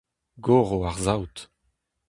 Goro ar saout.